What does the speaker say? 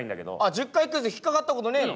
１０回クイズ引っ掛かったことねえの？